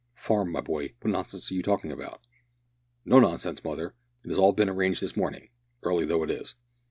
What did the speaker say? "Farm, my boy, what nonsense are you talking?" "No nonsense, mother, it has all been arranged this morning, early though it is.